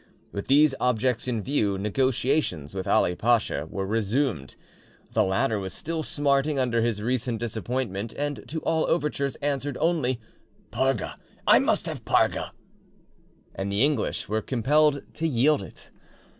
With these objects in view, negotiations with Ali Pacha were resumed. The latter was still smarting under his recent disappointment, and to all overtures answered only, "Parga! I must have Parga."—And the English were compelled to yield it!